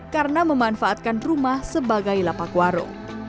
karena memanfaatkan rumah sebagai lapak warung